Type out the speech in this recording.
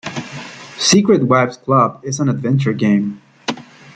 Secret Wives' Club is an adventure game.